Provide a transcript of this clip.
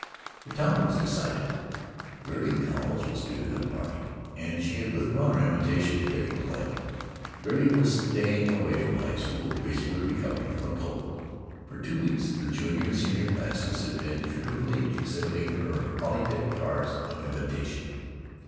The town was excited. Gertie Cowles was giving a party, and she had withdrawn her invitation to Eddie Klemm. Gertie was staying away from high school, gracefully recovering from a cold. For two weeks the junior and senior classes had been furtively exhibiting her holly decked cards of invitation.